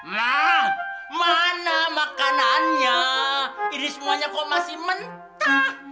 nah mana makanannya ini semuanya kok masih mentah